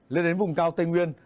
lên đến vùng cao tây nguyên